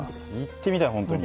行ってみたいほんとに。